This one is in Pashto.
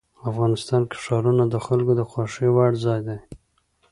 افغانستان کې ښارونه د خلکو د خوښې وړ ځای دی.